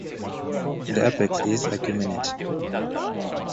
The apex is acuminate.